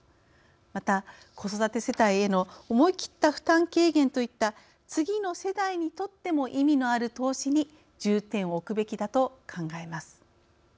また、子育て世帯への思いきった負担軽減といった次の世代にとっても意味のある投資に重点を置くべきだと考えます。